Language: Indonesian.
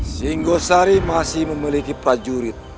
singosari masih memiliki prajurit